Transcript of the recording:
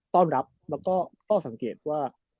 ต้อนรับซึ่งต้องสังเกตว่า